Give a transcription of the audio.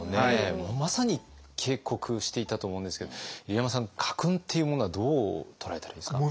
まさに警告していたと思うんですけど入山さん家訓っていうものはどう捉えたらいいですか？